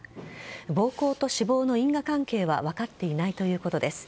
暴行と死亡の因果関係は分かっていないということです。